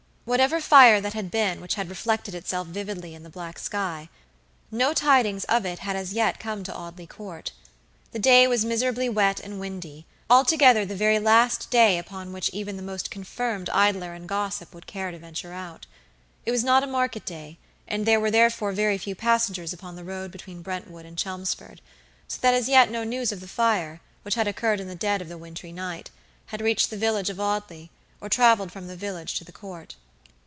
Whatever fire that had been which had reflected itself vividly in the black sky, no tidings of it had as yet come to Audley Court. The day was miserably wet and windy, altogether the very last day upon which even the most confirmed idler and gossip would care to venture out. It was not a market day, and there were therefore very few passengers upon the road between Brentwood and Chelmsford, so that as yet no news of the fire, which had occurred in the dead of the wintry night, had reached the village of Audley, or traveled from the village to the Court.